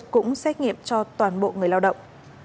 cũng xét nghiệm cho toàn bộ người lao động